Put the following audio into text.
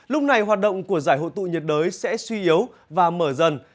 lúc này hoạt động của giải hội tụ nhiệt đới sẽ suy yếu và mở dần